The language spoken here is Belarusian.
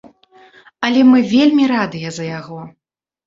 Але мы вельмі радыя за яго.